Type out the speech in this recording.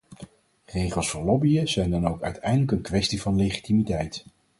Regels voor lobbyen zijn dan ook uiteindelijk een kwestie van legitimiteit.